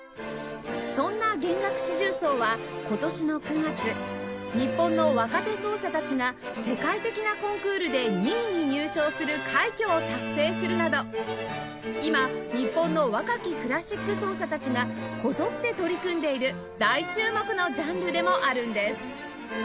そんな弦楽四重奏は今年の９月日本の若手奏者たちが世界的なコンクールで２位に入賞する快挙を達成するなど今日本の若きクラシック奏者たちがこぞって取り組んでいる大注目のジャンルでもあるんです